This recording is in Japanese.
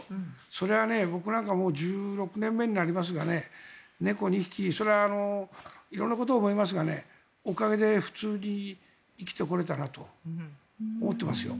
それは僕なんかもう１６年目になりますが猫２匹色んなことを思いますがおかげで普通に生きてこれたなと思ってますよ。